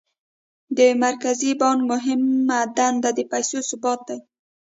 د مرکزي بانک مهمه دنده د پیسو ثبات دی.